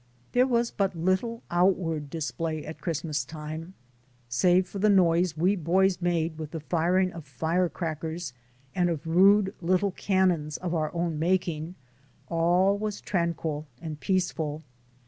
There was but little outward display at Christmas time. Save for the noise we boys made with the firing of fire crackers and of rude little cannons of our own making, all was tranquil and peaceful.